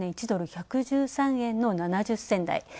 １ドル＝１１３円の７０銭だい。